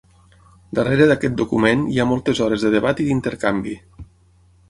Darrere d’aquest document hi ha moltes hores de debat i d’intercanvi.